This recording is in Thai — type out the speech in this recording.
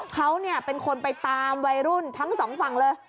เขาเป็นคนไปตามวัยรุ่นทั้งสองฝั่งเลย